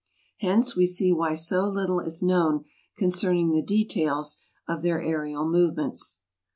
Hence we see why so little is known concerning the details of their aerial movements.